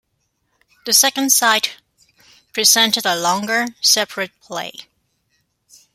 The second side presented a longer, separate play.